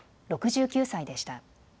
６９歳でした。